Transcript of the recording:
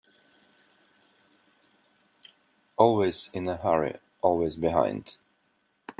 Always in a hurry, always behind.